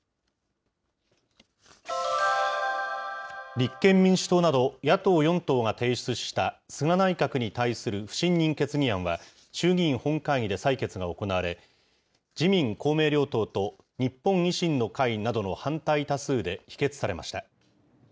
立憲民主党など野党４党が提出した菅内閣に対する不信任決議案は、衆議院本会議で採決が行われ、自民、公明両党と日本維新の会などの反対多数で否決されました。